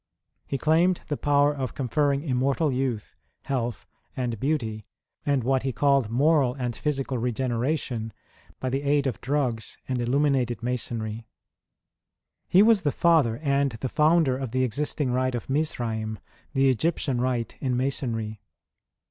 He claimed the power of conferring immortal youth, health, and beauty, and what he called moral and physical regeneration, by the aid of drugs and THE FRENCH REVOLUTION. 39 Illuminated Masonry. He was the father and the founder of the existing rite of Misraira — the Egyptian rite in Masonry.